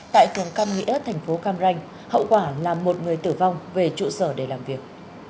tại phường cam nghĩa thành phố cam ranh hậu quả là một người tử vong về trụ sở để làm việc